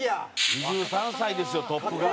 ２３歳ですよ『トップガン』。